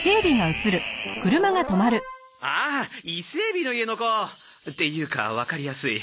ああ伊勢エビの家の子！っていうかわかりやすい。